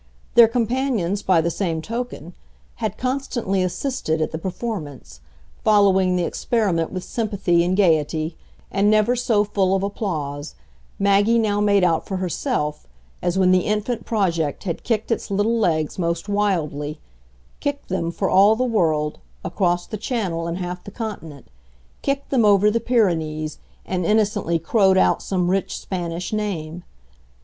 Their companions, by the same token, had constantly assisted at the performance, following the experiment with sympathy and gaiety, and never so full of applause, Maggie now made out for herself, as when the infant project had kicked its little legs most wildly kicked them, for all the world, across the Channel and half the Continent, kicked them over the Pyrenees and innocently crowed out some rich Spanish name.